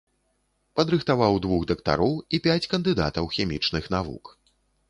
Падрыхтаваў двух дактароў і пяць кандыдатаў хімічных навук.